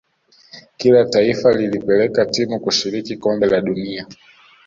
kila taifa lilipeleka timu kushiriki kombe la dunia